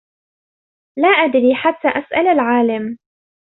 لَا أَدْرِي حَتَّى أَسْأَلَ الْعَالِمَ